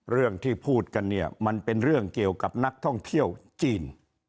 เรื่องที่พูดกันเนี่ยมันเป็นเรื่องเกี่ยวกับนักท่องเที่ยวจีน